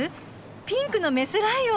ピンクのメスライオン。